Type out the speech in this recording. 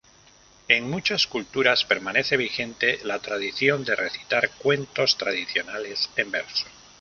En muchas culturas, permanece vigente la tradición de recitar cuentos tradicionales en verso.